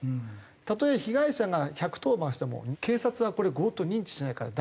たとえ被害者が１１０番しても警察はこれ強盗認知しないから大丈夫っていう。